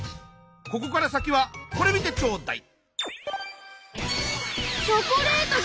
ここから先はこれ見てちょうだい。